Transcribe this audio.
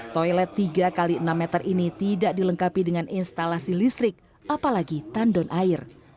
toilet tiga x enam meter ini tidak dilengkapi dengan instalasi listrik apalagi tandon air